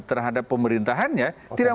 terhadap pemerintahannya tidak